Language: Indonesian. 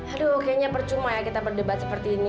aduh kayaknya percuma ya kita berdebat seperti ini